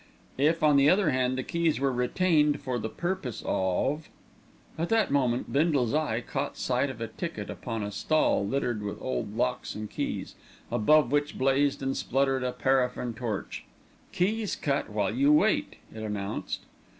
If, on the other hand, the keys were retained for the purpose of At that moment Bindle's eye caught sight of a ticket upon a stall littered with old locks and keys, above which blazed and spluttered a paraffin torch. "Keys cut while you wait," it announced.